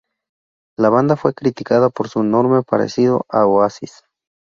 La banda fue criticada por su enorme parecido a Oasis.